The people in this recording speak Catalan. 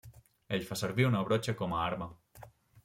Ell fa servir una brotxa com a arma.